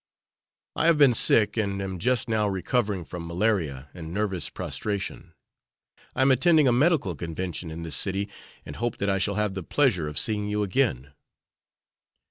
"I have been sick, and am just now recovering from malaria and nervous prostration. I am attending a medical convention in this city, and hope that I shall have the pleasure of seeing you again."